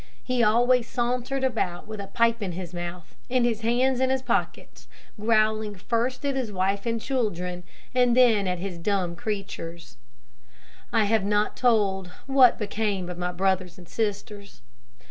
He always sauntered about with a pipe in his mouth, and his hands in his pockets, growling first at his wife and children, and then at his dumb creatures. I have not told what became of my brothers and sisters.